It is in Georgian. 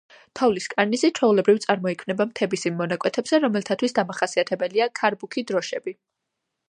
თოვლის კარნიზი ჩვეულებრივ წარმოიქმნება მთების იმ მონაკვეთებზე, რომელთათვის დამახასიათებელია „ქარბუქი დროშები“.